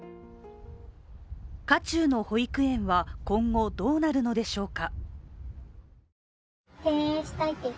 渦中の保育園は今後どうなるのでしょうか。